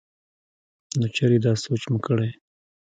نو چرې دا سوچ مو کړے